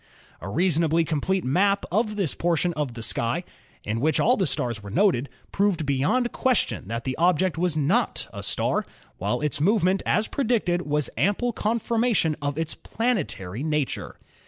A reasonably complete map of this portion of the sky, in which all the stars were noted, proved beyond question that the object was not a star, while its move ment as predicted was ample confirmation of its planetary nature.